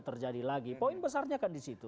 terjadi lagi poin besarnya kan disitu